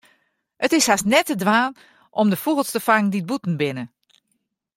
It is hast net te dwaan om de fûgels te fangen dy't bûten binne.